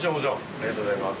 ありがとうございます。